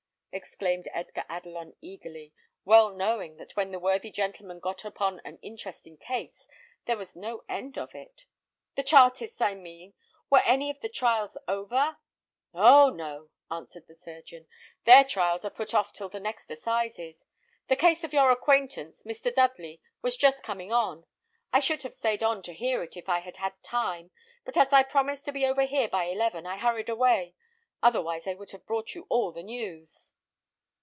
exclaimed Edgar Adelon, eagerly, well knowing that when the worthy gentleman got upon an interesting case there was no end of it. "The Chartists, I mean. Were any of the trials over?" "Oh, no!" answered the surgeon. "Their trials are put off till the next assizes. The case of your acquaintance, Mr. Dudley, was just coming on. I should have stayed to hear it if I had had time; but as I promised to be over here by eleven I hurried away, otherwise I would have brought you all the news."